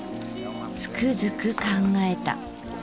つくづく考えた。